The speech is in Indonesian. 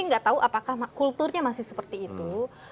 nggak tahu apakah kulturnya masih seperti itu